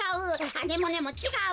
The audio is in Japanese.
アネモネもちがう。